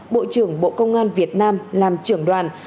bộ trưởng bộ công an việt nam làm trưởng đoàn